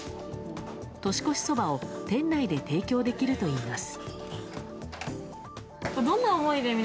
年越しそばを店内で提供できるといいます。